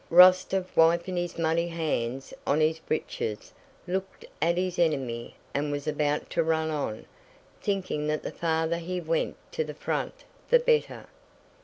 Rostóv wiping his muddy hands on his breeches looked at his enemy and was about to run on, thinking that the farther he went to the front the better.